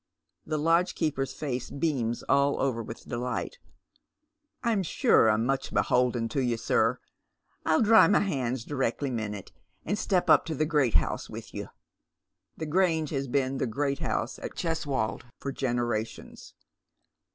The lodgekeeper's face beams all over with delight. " I'm sure Fm much beholden to you, sir. I'll dry my hands directly minute, and step up to the great house with you." The Grange has been " the great house " at Cheswold for generations.